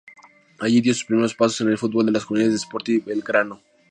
Allí dio sus primeros pasos en el fútbol en las juveniles de Sportivo Belgrano.